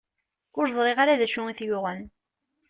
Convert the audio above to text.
Ur ẓriɣ ara d acu i t-yuɣen.